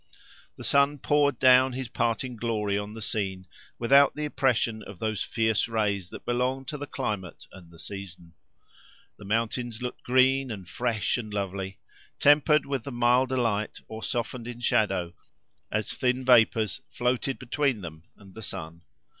The sun poured down his parting glory on the scene, without the oppression of those fierce rays that belong to the climate and the season. The mountains looked green, and fresh, and lovely, tempered with the milder light, or softened in shadow, as thin vapors floated between them and the sun.